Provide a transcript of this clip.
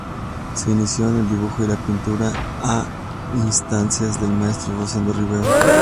Se inició en el dibujo y la pintura a instancias del maestro Rosendo Rivera.